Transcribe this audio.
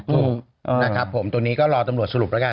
ถูกนะครับผมตรงนี้ก็รอตำรวจสรุปแล้วกัน